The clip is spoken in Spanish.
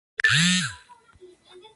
En el estado de bloqueo, nada se mueve.